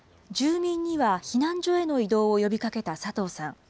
住民には避難所への移動を呼びかけた佐藤さん。